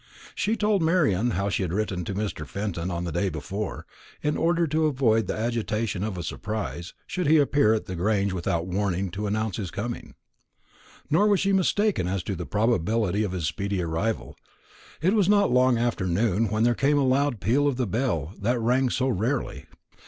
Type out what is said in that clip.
She told Marian how she had written to Mr. Fenton on the day before, in order to avoid the agitation of a surprise, should he appear at the Grange without waiting to announce his coming. Nor was she mistaken as to the probability of his speedy arrival. It was not long after noon when there came a loud peal of the bell that rang so rarely.